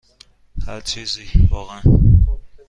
هر چیزی، واقعا.